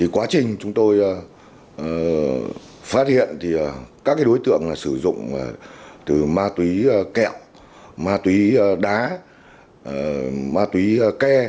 quá trình chúng tôi phát hiện thì các đối tượng sử dụng từ ma túy kẹo ma túy đá ma túy ke